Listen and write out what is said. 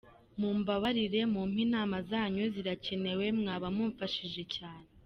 Mumbabarire mumpe inama zanyu ziracyenewe mwaba mumfashije cyane.